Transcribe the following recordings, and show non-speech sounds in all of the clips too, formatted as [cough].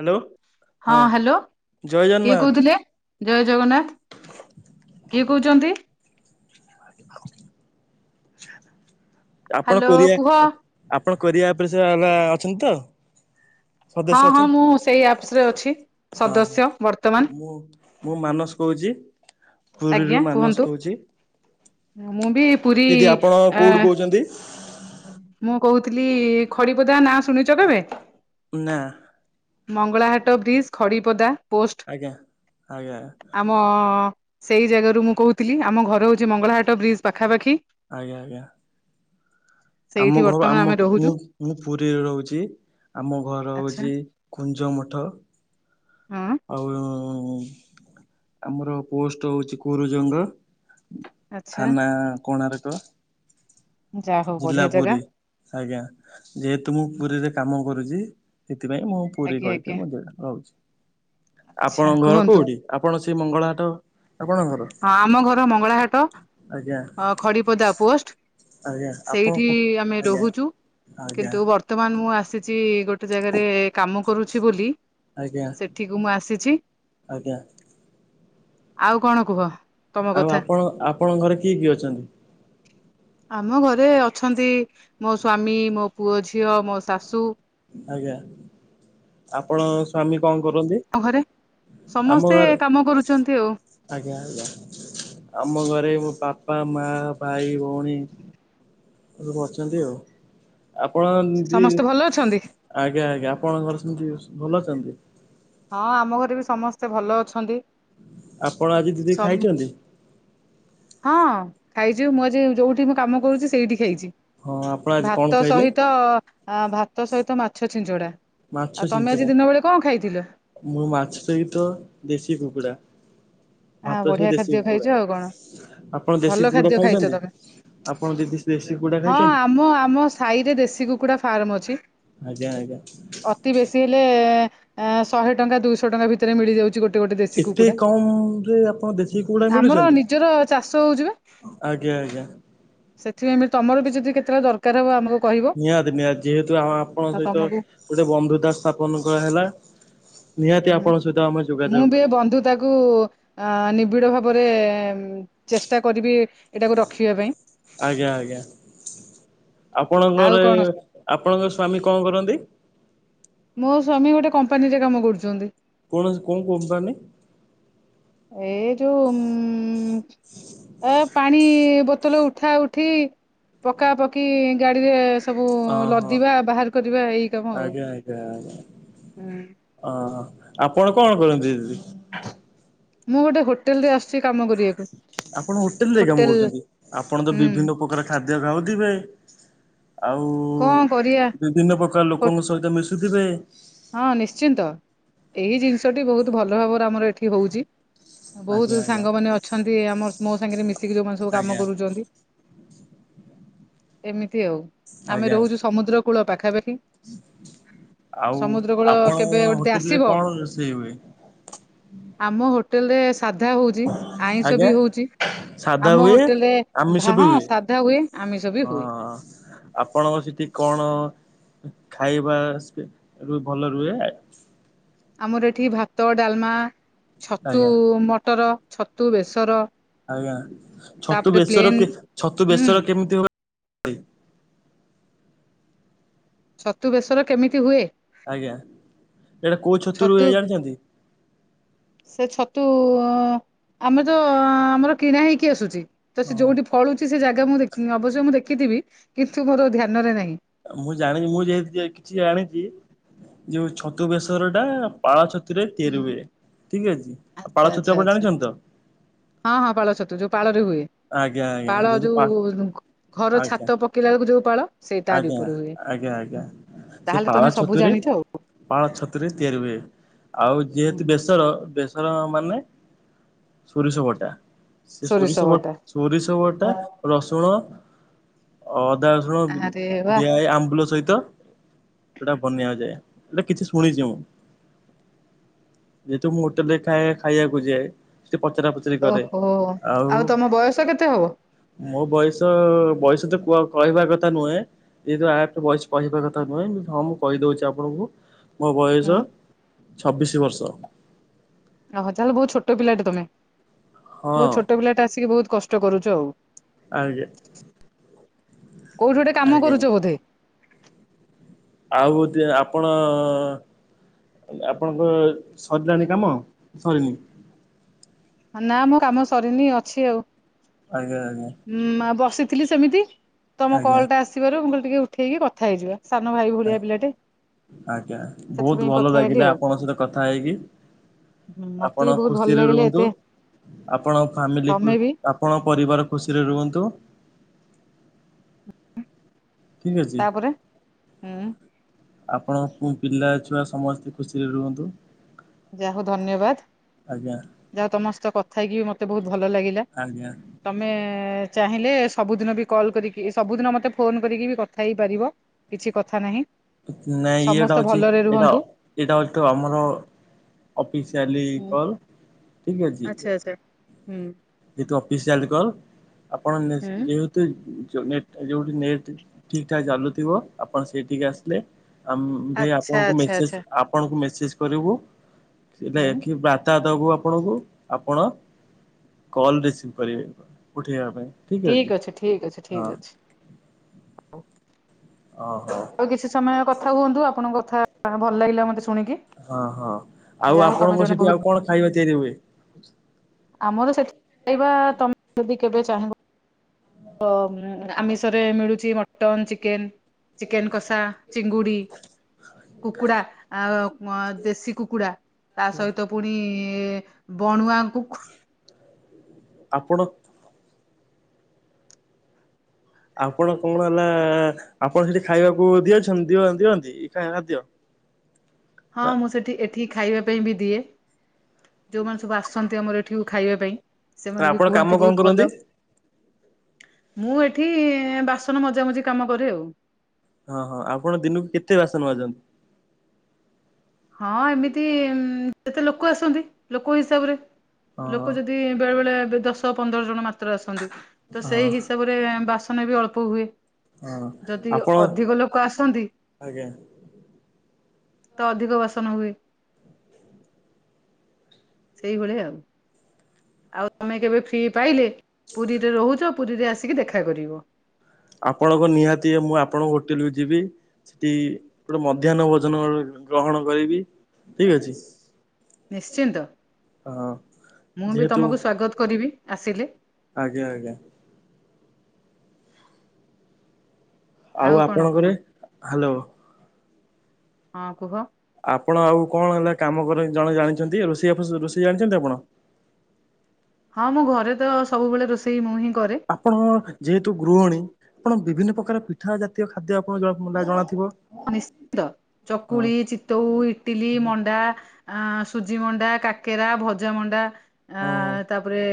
Hello ହଁ hello ଜୟ କିଏ ଜଗନ୍ନାଥ କହୁଥିଲେ? ଜୟଜଗନ୍ନାଥ, କିଏ କହୁଚନ୍ତି? ଆପଣ ହ୍ୟାଲୋ କୋରିଆ କୁହ ଆପଣ କୋରିଆ ଆପରେ ସେ-ବା ଅଛନ୍ତି ତ? ହଁ ସଦସ୍ୟ ହଁ ଅଛନ୍ତି ମୁଁ ସେଇ ଆପସରେ ଅଛି ହଁ ହଁ ସଦସ୍ୟ ବର୍ତ୍ତମାନ। ମୁଁ ମୁଁ ମାନସ କହୁଚି ଆଜ୍ଞା ପୁରୀରୁ କୁହନ୍ତୁ। ମାନସ କହୁଚି। ମୁଁ ବି ପୁରୀ ଆ [inaudible] ମୁଁ କହୁଥିଲି ଖଡିପଦା ନାଁ ଶୁଣିଚ କେବେ? ନା। ମଙ୍ଗଳାହାଟ ବ୍ରିଜ୍ ଖଡ଼ିପଦା। ଆଜ୍ଞା ଆଜ୍ଞା। ହଁ ସେଇ ଜାଗାରୁ ମୁଁ କହୁଥିଲି ଆମ ଘର ହଉଚି ମଙ୍ଗଳାହାଟ ବ୍ରିଜ ପାଖାପାଖି। ଆଜ୍ଞା ଆଜ୍ଞା। ଆମ ସେଇଠି ଘ ବର୍ତ୍ତମାନ ଆମ ଆମେ ମୁଁ ରହୁଛୁ ମୁଁ ପୁରୀରେ ରହୁଚି ଆମ ଘର ଆଚ୍ଛା ହଉଚି କୁଞ୍ଜମଠ ହଁ ଆଉ ହୁଁ ଆମର ପୋଷ୍ଟ ହଉଚି କୁରୁଜଙ୍ଗ। ଆଚ୍ଛା ଥାନ କୋଣାର୍କ। ଯାହା ହଉ ଜିଲ୍ଲା ବଢିଆ ଜାଗା ପୁରୀ ଆଜ୍ଞା ଯେହେତୁ ମୁଁ ପୁରୀରେ କାମ କରୁଚି ସେଥିପାଇଁ ମୁଁ ପୁରୀ ଆଜ୍ଞା କହିଦେ ଆଜ୍ଞା [inaudible] ଆଚ୍ଛା ଆପଣଙ୍କ ଘର କୁହନ୍ତୁ କୋଉଠି? ଆପଣ ସେଇ ମଙ୍ଗଳାହାଟ ଆପଣଙ୍କ ଘର। ହଁ ଆମ ଘର ମଙ୍ଗଳାହାଟ ଆଜ୍ଞା ଖଡିପଦା ପୋଷ୍ଟ ଆଜ୍ଞା ଆପଣ ସେଇଠି ଆମେ ଆଜ୍ଞା ରହୁଚୁ ଆଜ୍ଞା କିନ୍ତୁ ବର୍ତ୍ତ ର୍ତ୍ତମାନ ମୁଁ ଆସିଚି ଗୋଟେ ଜାଗାରେ କାମ କରୁଛି ବୋଲି ଆଜ୍ଞା ସେଠିକୁ ମୁଁ ଆସିଛି, ଆଜ୍ଞା ଆଉ କଣ କୁହ? ତମ ଆଉ କଥା ଆପଣ ଆପଣଙ୍କ ଘରେ କିଏ କିଏ ଅଛନ୍ତି? ଆମ ଘରେ ଅଛନ୍ତି ମୋ ସ୍ଵାମୀ ମୋ ପୁଅ ଝିଅ ମୋ ଶାଶୁ। ଆଜ୍ଞା ଆପଣଙ୍କ ସ୍ଵାମୀ କଣ କରନ୍ତି? [inaudible] ଘରେ ଆମ ସମସ୍ତେ ଘରେ କାମ କରୁଚନ୍ତି ଆଉ। ଆଜ୍ଞା ଆଜ୍ଞା ଆମ ଘରେ ମୋ ବାପା ମା ଭାଇ ଭଉଣୀ ସବୁ ଅଛନ୍ତି ଆଉ, ଆପଣ ଦି ସମସ୍ତେ ଭଲ ଅଛନ୍ତି ଆଜ୍ଞା ଆଜ୍ଞା ଆପଣଙ୍କ ଘରେ ସେମିତି ଭଲ ଅଛନ୍ତି? ହଁ ଆମ ଘରେ ବି ସମସ୍ତେ ଭଲ ଅଛନ୍ତି। ଆପଣ ଆଜି ଦିଦି ସମ ଖାଇଛନ୍ତି? ହଁ ଖାଇଚୁ ମୁଁ ଆଜି ଯୋଉଠି ମୁଁ କାମ କରୁଚି ସେଇଠି ଖାଇଚି। ହଁ ଆପଣ ଆଜି କଣ ଭାତ ଖାଇଲେ? ସହିତ ଆଁ ଭାତ ସହିତ ମାଛ ଛିଞ୍ଚଡା। ଆଉ ମାଛ ତମେ ଆଜି ଛିଞ୍ଚେଡା ଦିନ ବେଳେ କଣ ଖାଇଥିଲ ମୁଁ ମାଛ ସହିତ ଦେଶୀ କୁକୁଡ଼ା। ଆ ଭାତ ସହ ବଢିଆ ଦେଶୀ ଖାଦ୍ୟ ଖାଇଛ କୁକୁଡା, ଆଉ କଣ ଆପଣ ଦେଶୀ ଭଲ କୁକୁଡା ଖାଦ୍ୟ ଖାଇଛ ଖାଇଛନ୍ତି? ତମେ ଆପଣ ଦିଦି ଦେଶୀ କୁକୁଡା ଖାଇଛନ୍ତି? ମୁଁ ଆମ ସ ସାହିରେ ଦେଶୀ କୁକୁଡ଼ା ଫାର୍ମ ଅଛି। ଆଜ୍ଞା ଆଜ୍ଞା। ଅତି ବେଶୀ ହେଲେ ଶହେ ଟଙ୍କା ଦୁଇଶହ ଟଙ୍କା ଭିତରେ ମିଳିଯାଉଛି ଗୋ ଏତେ କମ ରେ କଣ ଦେଖ ଆମର ନିଜର ଚାଷ ହଉଛି ପା। ଆଜ୍ଞା ଆଜ୍ଞା। ସେଥିପାଇଁମତି ତମର ବି ଯଦି କେତେବେଳେ ଦର ଦରକାର ହବ ଆମକୁ କହିବ। ନିହାତି ନିହାତି ଯେହେତୁ ଆମ ଆପଣଙ୍କ ତ ସହିତ ତମକୁ ଗୋଟେ ବନ୍ଧୁତା ସ୍ଥାପନ କ ହେଲା ନିହାତି ଆପଣଙ୍କ ସହିତ ଆମେ ଯୋଗାଯୋଗ କରିବୁ। ତାକୁ ନିବିଡ଼ ଭାବରେ ଚେଷ୍ଟା କରିବି ଏଇଟାକୁ ରଖିବା ପାଇଁ। ଆଜ୍ଞା ଆଜ୍ଞା ଆଉ ଆପଣଙ୍କର କଣ ଏହି ଆପଣଙ୍କ ସ୍ଵାମୀ କଣ କରନ୍ତି? ମୋ ସ୍ୱାମୀ ଗୋଟେ କମ୍ପାନୀରେ କାମ କରୁଛନ୍ତି। କୌଣସି କଉ କମ୍ପାନୀ? ଏଇ ଯୋଉ ପାଣି ବୋଲି ଉଠାଉଠି ଏଠି ପକା ପକି ଗାଡିରେ ସବୁ ଅହଁ। ଲଦିବା ବାହାର କରିବା ଏଇ କାମ ଆଉ। ଓ ଆପଣ କଣ କରନ୍ତି ଦିଦି? ମୁଁ ଗୋଟେ ହୋଟେଲ ରେ ଆସିଛି କାମ କରିବାକୁ। ଆପଣ ହୋଟେଲ ରେ କାମ କରୁଛନ୍ତି ଆପଣ ତ ହୁଁ। ବିଭିନ୍ନ ପ୍ରକାର ଖାଦ୍ୟ ଖାାଉଥିବେ? ଆଉ କଣ କରିବା ବିଭିନ୍ନ ପ୍ରକାର ହୋ ଲୋକଙ୍କ ସହିତ ମିଶୁଥିବେ। ହଁ ନିଶ୍ଚିନ୍ତ ଏହି ଜିନିଷଟି ବହୁତ ଭଲ ଭାବରେ ଆମର ଏଠି ଏଠ ହେଉଛି ଆଜ୍ଞା ବହୁତ ଆଜ୍ଞା ସାଙ୍ଗମାନେ ଅଛନ୍ତି ଆମ ମୋ ସାଙ୍ଗରେ ମିଶିକି ଯେଉଁମାନେ ସବୁ କାମ ଆଜ୍ଞା କରୁଛନ୍ତି। ଏମିତି ଆଉ ଆମେ ଆଜ୍ଞା ରହୁଛୁ ସମୁଦ୍ର କୂଳ ପାଖାପାଖି। ଆଉ ସମୁଦ୍ର କୂଳ କେବେ ଆପଣଙ୍କ ଗୋଟେ ହୋଟେଲରେ ଆସିବ କଣ ରୋଷେଇ ହୁଏ? ଆମ ହୋଟେଲ ରେ ସାଧା ହଉଛି ଆଇଁଷ ଆଜ୍ଞା ବି ହଉଛି। ସାଧା ଆମ ହୁଏ ହୋଟେଲରେ ଆମିଷ ବି ହଁ ହୁଏ ସାଧା ହୁଏ ଆମିଷ ବି ହୁଏ। ହଁ ତାହା ଆପଣଙ୍କ ସେଠି କଣ ଖାଇବା ଭଲ ରହେ? ଆମର ଏଠି ଭାତ ଡାଲମା ଛତୁ ଆଜ୍ଞା ମଟର ଛତୁ ବେସର। ଆଜ୍ଞା ଛତୁ ତାପରେ ବେଶର ପ୍ଲେନ୍ ଛତୁ ହୁଁ ବେଶର କେମିତି ହୁଏ? ଛତୁ ବେସର କେମିତି ହୁଏ? ଆଜ୍ଞା ଏଇଟା କୋଉ ଛତୁରୁ ଛତୁ ହୁଏ ଜାଣିଛନ୍ତି? ସେ ଛତୁ ଆମେ ତ ଆମର କିଣା ହେଇକି ଆସୁଛି। ତ ସେ ହଁ ଯୋଉଠି ଫଳୁଛି ସେ ଜାଗା ମୁଁ ଅବଶ୍ୟ ମୁଁ ଦେଖିଥିବି କିନ୍ତୁ ମୋର ଧ୍ୟାନରେ ନାହିଁ। ମୁଁ ଜାଣି ମୁଁ ଯେହେତୁ କିଛି ଜାଣିଚି ଛତୁ ବେଶର ଟା ପାଳ ଛତୁରେ ହୁଁ। ତିଆରି ହୁଏ ଠିକ ଅଛି ଆଉ ଆଚ୍ଛା ପାଳ ଆଚ୍ଛା ଛତୁ ଆପଣ ଆଚ୍ଛା ଜାଣିଛନ୍ତି ତ? ହଁ ହଁ ପାଳ ଛତୁ ଯୋଉ ପାଳରେ ହୁଏ ଆଜ୍ଞା ଆଜ୍ଞା ପାଳମାନେ ଯେହେତୁ ପା ଛତୁ ପାଳ ଯୋଉ ଘର ଆଜ୍ଞା ଛାତ ପକେଇଲା ବେଳକୁ ଯୋଉ ପାଳ। ସେଇ ତାରି ଆଜ୍ଞା ଉପରେ ହୁଏ ଆଜ୍ଞା ଆଜ୍ଞା ସେ ତାହେଲେ ପାଳ ତମେ ସବୁ ଛତୁରେ ଜାଣିଛ ଆଉ। ପାଳଛତୁରେ ତିଆରି ହୁଏ ଆଉ ହୁଁ ଯେହେତୁ ବେସର ଧର ମାନେ ସୋରିଷ ବଟା। ସୋରିଷ ସେସୋରିଷ ବ ବଟା। ସୋରିଷ ବଟା ରସୁଣ ଅ ଅଦା ରସୁଣ ଆରେ ବା ଏଇ ଆମ୍ବୁଲ ସହିତ ସେଟା ବନିଆଯାଏ ଏଟା କିଛି ଶୁଣିଚି ମୁଁ। ଯେହେତୁ ମୁଁ ହୋଟେଲରେ ଖାଏ ଖାଇବାକୁ ଯାଏ ସେଠି ପଚରା ପଚୁରି ଓହୋ ଆଉ ତମ ବୟସ କେତେ ହବ? ମୋ ବୟସ ବୟସତ କୁଆ କହିବା କଥା ନୁହେଁ ଏତ ଆଟ୍ ବୟସ କହିବା କଥା ନୁହେଁ ହଁ ମୁଁ କହିଦଉଚି ଆପଣଙ୍କୁ ମୋ ବୟସ ହୁଁ ଛବିଶି ବର୍ଷ। ଅଁହଁ ତାହେଲେ ବହୁତ୍ ଛୋଟ ପିଲାଟେ ତମେ ହଁ ବହୁତ୍ ଛୋଟ ପିଲାଟେ ଆସିକି ବହୁତ୍ କଷ୍ଟ କରୁଚ ଆଉ। ଆଜ୍ଞା। କେଉଁଠି ଗୋଟେ କାମ ଆଜ୍ଞା କରୁଚ ବୋଧେ? ଆଉ ଗୋଟେ ଆପଣ ଆପଣଙ୍କର ସରିଲାଣି କାମ ସରିନି? ନା ମୋ କାମ ସରିନି ଅଛି ଆଉ। ଆଜ୍ଞା ଆଜ୍ଞା। ଉଁଉ ବସିଥିଲି ସେମିତି ତମ ଆଜ୍ଞା କଲ୍ଟା ଆସିବାରୁ ମୁଁ କହିଲି ଟିକେ ଉଠେଇକି କଥା ହେଇଯିବା। ସାନ ଭାଇ ଭଳିଆ ପିଲାଟେ। ଆଜ୍ଞା ବହୁତ୍ ସେଥିପାଇଁ ଭଲ କଥା ହେଲି ଲାଗିଲା ଆଉ ଆପଣଙ୍କ ସହିତ କଥା ହେଇକି। ହୁଁ ମତେ ଆପଣ ବି ବହୁତ ଭଲ ଖୁସିରେ ଲାଗିଲା ରୁହନ୍ତୁ। ଏତେ ଆପଣ ଫ୍ୟାମିଲି ତମେ ବି ଆପଣ ପରିବାର ଖୁସିରେ ରୁହନ୍ତୁ। ଠିକ୍ ଅଛି। ତାପରେ ହୁଁ ଆପଣକୁ ପିଲା ଛୁଆ ସମସ୍ତେ ଖୁସିରେ ରୁହନ୍ତୁ। ଯାହାହଉ ଧନ୍ୟବାଦ ଆଜ୍ଞା। ଯା ତମସହିତ କଥା ହେଇକି ମତେ ବହୁତ୍ ଭଲ ଲାଗିଲା। ଆଜ୍ଞା। ତମେ ଚାହିଁଲେ ସବୁଦିନବି କଲ୍ କରିକି ସବୁଦିନ ମତେ ଫୋନ୍ କରିକିବି କଥା ହେଇପାରିବ କିଛି କଥା ନାହିଁ। ନାଇଁ ଏଇଟା ସମସ୍ତେ ହଉଚି ଭଲରେ ଏଇଟା ରୁହନ୍ତୁ ଏଇଟା ହତୁ ଆମର ଅଫିସିଆଲି ହୁଁ କଲ୍ ଠିକ୍ ଅଛି ଆଚ୍ଛା ଆଚ୍ଛା ହୁଁ। ଯେହେତୁ ଅଫିସିଆଲି କଲ୍ ଆପଣ ନିଶ୍ଚି ହୁଁ ଯେହେତୁ ଯୋଉଠି ନେଟ୍ ଠିକ୍ ଠାକ୍ ଚାଲୁଥିବ ଆପଣ ସେଇଠିକି ଆସିଲେ ଆମ୍ଭେ ଆଚ୍ଛା ଆପଣଙ୍କୁ ଆଚ୍ଛା ମେସେଜ୍ ଆଚ୍ଛା ଆପଣଙ୍କୁ ମେସେଜ୍ କରିବୁ ସେଇଟା ହୁଁ ଦେଖିବା ବା ତା ଦବୁ ଆପଣଙ୍କୁ ଆପଣ କଲ୍ ରିସିଭ୍ କରିବେ ଉଠେଇିବା ପାଇଁ। ଠିକ୍ ଅଛି ଠିକ୍ ଅଛି ହଁ ଠିକ୍ ଅଛି। ଓହୋ। ଆଉ କିଛି ସମୟ କଥା ହୁଅନ୍ତୁ ଆପଣଙ୍କ କଥା ଭଲ ଲାଗିଲା ମତେ ଶୁଣିକି? ହଁ ହଁ ଆଉ ଯାହା ହଉ ତମେ ଆପଣଙ୍କ ଜଣେ ସେଠି ବହୁତ ଆଉ କଣ ଖାଇବା ତିଆରି ହୁଏ? ଆମର ସେଠି ପାଇବା ତମେ ଯଦି କେବେ ଚାହିଁବ ଅଁ ଆମିଷରେ ମିଳୁଚି ମଟନ୍ ଚିକେନ୍ ଚିକେନ୍ କଷା ଚିଙ୍ଗୁଡ଼ି। କୁକୁଡ଼ା ଆ ଦେଶୀ କୁକୁଡ଼ା ତାସହିତ ପୁଣି ବଣୁଆ ଙ୍କୁ ଆପଣ ଆପଣ କଣ ହେଲା ଆପଣ ସେଠି ଖାଇବାକୁ ଦିଅଛନ୍ତିି ଦିଅ ଦିଅନ୍ତି ଖାଦ୍ୟ। ହଁ ନା ମୁଁ ସେଠି ଏଠି ଖାଇବା ପାଇଁ ବି ଦିଏ ଯେଉଁମାନେ ସବୁ ଆସନ୍ତି ଆମର ଏଠିକୁ ଖାଇବା ପାଇଁ। ନା ସେମାନେ ବି ଆପଣ କାମ କୁହନ୍ତି କଣ ବହୁତ କରନ୍ତି? ଭଲ। ମୁଁ ଏଠି ବାସନ ମଜାମଜି କାମ କରେ ଆଉ। ହଁ ହଁ ଆପଣ ଦିନକୁ କେତେ ବାସନ ମାଜନ୍ତି? ହଁ ଏମିତି ଯେତେ ଲୋକ ଆସନ୍ତି ଲୋକ ହିସାବରେ ହଁ ହଁ ଲୋକ ଯଦି ବେଳେ ବେଳେ ଦଶ ପନ୍ଦର ଜଣ ମାତ୍ର ଆସନ୍ତି ତ ହଁ ସେଇ ହିସାବରେ। ରେ ବାସନ ବି ଅଳ୍ପ ହୁଏ ହଁ ଯଦି ଆପଣ ଅଧିକ ଲୋକ ଆସନ୍ତି। ଆଜ୍ଞା। ତ ଅଧିକ ବାସନ ହୁଏ। ସେଇଭଳିଆ ଆଉ। ଆଉ ତମେ କେବେ ଫ୍ରି ପାଇଲେ ପୁରୀରେ ରହୁଛ ପୁରୀରେ ଆସିକି ଦେଖା କରିବ। ଆପଣଙ୍କ ନିହାତି ମୁଁ ଆପଣଙ୍କ ହୋଟେଲକୁ ଯିବି। ସେଠି ଗୋଟେ ମଧ୍ୟାହ୍ନ ଭୋଜନ ଗ୍ରହଣ କରିବି ଠିକ ଅଛି। ନିଶ୍ଚିନ୍ତ ହଁ। ମୁଁ ବି ଯେହେତୁ ତମକୁ ସ୍ଵାଗତ କରିବି ଆସିଲେ। ଆଜ୍ଞା ଆଜ୍ଞା। ଆଉ କଣ କୁହ ହ୍ୟାଲୋ ହଁ କୁହ? ଆପଣ ଆଉ କଣ ହେଲା କାମ ଜଣେ ଜାଣିଛନ୍ତି ରୋଷେଇ ରୋଷେଇ ଜାଣିଛନ୍ତି ଆପଣ? ହଁ ମୁଁ ଘରେ ତ ସବୁବେଳେ ରୋଷେଇ ମୁଁ ହିଁ କରେ। ଆପଣ ଯେହେତୁ ଗୃହଣୀ ଆପଣ ବିଭିନ୍ନ ପ୍ରକାର ପିଠା ଜା ତୀୟ ଖାଦ୍ୟ ଆପଣ ଜଣା ଥିବ? ନିଶ୍ଚିନ୍ତ ଚକୁଳି ଚିତଉ ଇଟିଲି ମଣ୍ଡା ଆଁ ସୁଜି ମଣ୍ଡା କାକେରା ଭଜା ମଣ୍ଡା ଆ ହଁ। ତାପରେ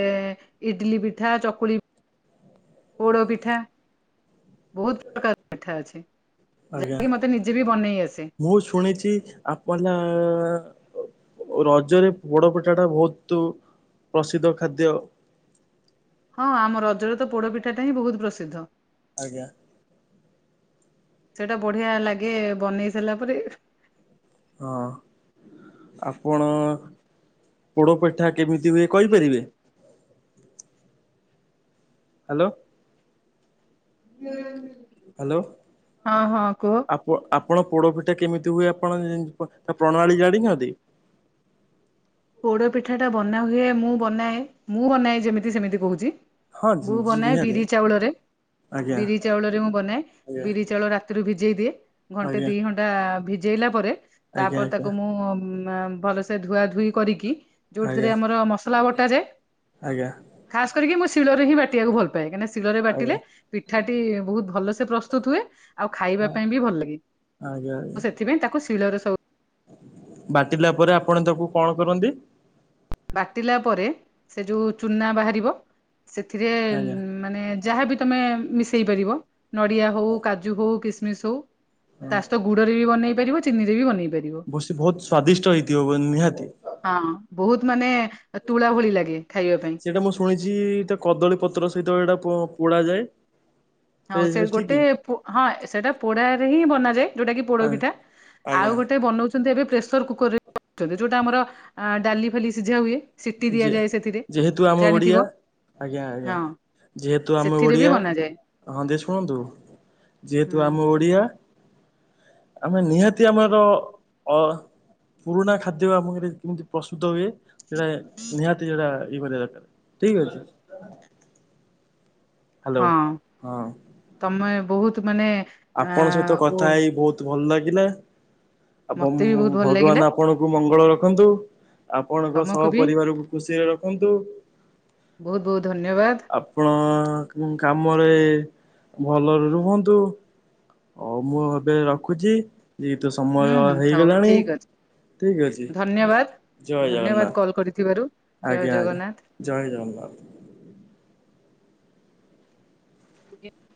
ଇଡଲି ପିଠା ଚକୁଳି ପୋଡ଼ୋ ପିଠା। ବହୁତ ପ୍ରକାର ପିଠା ଅଛି ଆଜ୍ଞା ଯାହାକି ମତେ ନିଜେ ବି ବନେଇ ଆସେ। ମୁଁ ଶୁଣିଛି ଆ ହେଲା ରଜରେ ପୋଡ଼ ପି ଠାଟା ବହୁତ ପ୍ରସିଦ୍ଧ ଖାଦ୍ୟ। ହଁ ଆମ ରଜରେ ତ ପୋଡ ପିଠାଟା ହିଁ ବହୁତ ପ୍ରସିଦ୍ଧ। ଆଜ୍ଞା। ସେଇଟା ବଢିଆ ଲାଗେ ବନେଇ ସାରିଲା ପରେ ହଁ। ଆପଣ ପୋଡ଼ପିଠା କେମିତି ହୁଏ କହିପାରିବେ? ହ୍ୟାଲୋ। ହ୍ୟାଲୋ ହଁ ହଁ କୁହ ଆ ଆପଣ ପୋଡ଼ପିଠା କେମିତି ହୁଏ ଆପଣ ତା ପ୍ରଣାଳୀ ଜାଣିଛନ୍ତି? ପୋଡ଼ ପିଠାଟା ବନାହୁଏ ମୁଁ ବନାଏ ମୁଁ ବନାଏ ଯେମିତି ସେମିତି କହୁଛି। ହଁ ମୁ ବନାଏ ନିହାତି ବିରି ଚାଉଳରେ। ଆଜ୍ଞା ବିରି ଚାଉଳ ରେ ମୁଁ ବନାଏ ଆଜ୍ଞା ବିରି ଚାଉଳ ରାତିରୁ ଭିଜେଇ ଦିଏ। ଘଣ୍ଟେ ଆଜ୍ଞା ଦି ଘଣ୍ଟା ଭିଜେଇଲା ପରେ ଆଜ୍ଞା ଆଜ୍ଞା ତାପରେ ତାକୁ ମୁଁ ଭଲସେ ଧୁଆ ଧୁଇ କରିକି ଆଜ୍ଞା ଯୋଉଥିରେ ଆମର ମସଲା ବଟାଯାଏ। ଆଜ୍ଞା ଖାସ୍ କରିକି ମୁଁ ଶିଳରେ ହି ବାଟିବାକୁ ଭଲ ପାଏ କାହିଁକି ଶିଳରେ ବାଟିଲେ। ଆଜ୍ଞା ପିଠାଟି ବହୁତ ଭଲ ସେ ପ୍ରସ୍ତୁତ ହୁଏ। ଆଉ ଆଜ୍ଞା ଖାଇବା ପାଇଁ ବି ଭଲ ଲାଗେ ଆଜ୍ଞା ସେଥିପାଇଁ ତାକୁ ଶିଳରେ ସବୁ ବାଟିଲା ପରେ ଆପଣ ତାକୁ କଣ କରନ୍ତି ବାଟିଲା ପରେ ସେ ଯେଉଁ ଚୁନା ବାହାରିବ ସେଥିରେ ଆଜ୍ଞା ମାନେ ଯାହାବି ତମେ ମିଶେଇ ପାରିବ ନଡିଆ ହଉ କାଜୁ ହଉ କିସମିସ ହଉ ହଁ ତା ସ ଗୁଡ ରେ ବି ବନେଇ ପାରିବ ଚିନିରେ ବି ବନେଇ ପାରିବ। ବ ସେ ବହୁତ ସ୍ଵାଦିଷ୍ଟ ହେଇଥିବ ନିହାତି। ହଁ ବହୁତ ମାନେ ତୁଳା ଭଳି ଲାଗେ ଖାଇବା ପାଇଁ। ଶୁଣିଚି। କଦଳୀ ପତ୍ର ସହିତ ଏଇଟା ପୋଡା ଯାଏ ହଉ ସେ ଗୋଟେ ପୁ ହଁ ସେଟା ପୋଡାରେ ହିଁ ବନାଯାଏ। ଯୋଉଟା କି ପୋଡପିଠା, ଆଉ ଆଜ୍ଞା ଗୋଟେ ବନଉଛନ୍ତି ଏବେ ପ୍ରେସର କୁକର ଯୋଉଟା ଆମର ଆ ଡାଲି ଫାଲି ସିଝା ହୁଏ, ସିଟି ଯେ ଦିଆଯାଏ ସେଥିରେ ଯେହେତୁ ଆମେ ଓଡ଼ିଆ ଜାଣିଥିବ ଆଜ୍ଞା ଆଜ୍ଞା। ହଁ ଯେହେତୁ ଆମେ ସେଥିରେ ବି ଓଡିଆ। ବନାଯାଏ ହଁ ଯେ ଶୁଣନ୍ତୁ, ଯେହେତୁ ଆମ ଓଡିଆ। ଆମେ ନିହାତି ଆମର ଅ ପୁରୁଣା ହୁଁ ଖାଦ୍ୟ ଆମରେ କେମିତି ପ୍ରସ୍ତୁତ ହୁଏ ସେଟା ନିହାତି ସେଟା ଇଏ କରିବା ଦରକାର ଠିକ ଅଛି। ହଁ ହ୍ୟାଲୋ ହଁ ତମେ ବହୁତ ମାନେ ଆ ଆପଣଙ୍କ ସହିତ ଓ କଥା ହେଇ ବହୁତ ଭଲ ଲାଗିଲା ଆ ମତେ ବି ବହୁତ ଭଲ ଲାଗିଲା ଭଗବାନ ଆପ୍ ଆପଣଙ୍କୁ ମଙ୍ଗଳ ରଖନ୍ତୁ, ଆପଣଙ୍କ ତମକୁ ସହ ବି ପରିବାରକୁ ଖୁସିରେ ରଖନ୍ତୁ। ବହୁତ ବହୁତ ଧନ୍ୟବାଦ। ଆପଣ କାମରେ ଭଲରେ ରୁହନ୍ତୁ। ହଉ ମୁଁ ଏବେ ରଖୁଛି ଏ ତ ସମୟ ହୁଁ ହୁଁ ହଉ ହେଇଗଲାଣି। ଠିକ ଅଛି ଠିକ ଅଛି, ଧନ୍ୟବାଦ ଜୟ ଧନ୍ୟବାଦ ଜଗନ୍ନାଥ। କଲ୍ କରିଥିବାରୁ ଜୟ ଆଜ୍ଞା ଆଜ୍ଞା। ଜଗନ୍ନାଥ। ଜୟ ଜଗନ୍ନାଥ। [inaudible]